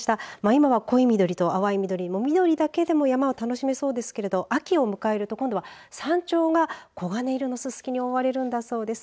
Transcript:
今は濃い緑と淡い緑緑だけでも山を楽しめそうですが秋を迎えると今度は山頂がこがね色のススキに覆われるんだそうです。